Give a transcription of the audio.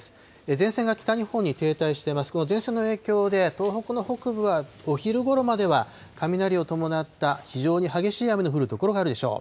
前線が北日本に停滞しています、この前線の影響で、東北の北部はお昼ごろまでは雷を伴った非常に激しい雨の降る所があるでしょう。